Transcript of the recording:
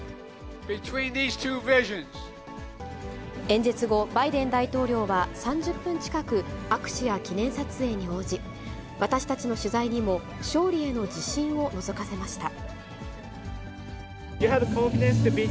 演説後、バイデン大統領は３０分近く、握手や記念撮影に応じ、私たちの取材にも勝利への自信をのぞかせました。